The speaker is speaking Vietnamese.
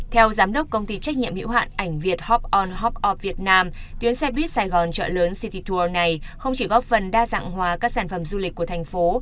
theo giám đốc công ty trách nhiệm hiệu hạn ảnh việt hop on hopp of việt nam tuyến xe buýt sài gòn trợ lớn city tour này không chỉ góp phần đa dạng hóa các sản phẩm du lịch của thành phố